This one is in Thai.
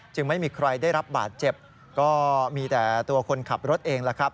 ไม่มีใครได้รับบาดเจ็บก็มีแต่ตัวคนขับรถเองแหละครับ